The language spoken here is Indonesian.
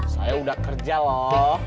saya udah kerja loh